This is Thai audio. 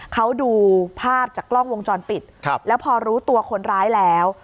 เขาดูภาพจากกล้องวงจรปิดครับแล้วพอรู้ตัวคนร้ายแล้ว